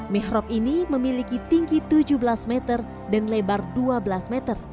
mihrab ini memiliki tinggi tujuh belas meter dan lebar dua belas meter